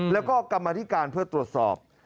แล้วก็กรรมธิการเพื่อตรวจสอบ